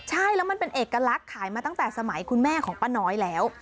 ใช่แล้วมันเป็นเอกลักษณ์ขายมาตั้งแต่สมัยคุณแม่ของป้าน้อยแล้ว